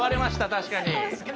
確かに。